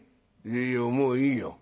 「いやいやもういいよ。